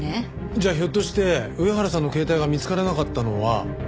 じゃあひょっとして上原さんの携帯が見つからなかったのは。